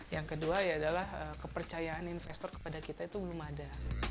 yang kedua adalah kepercayaan investor kepada kita itu belum ada